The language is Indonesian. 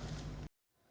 yang dikuasai pemerintah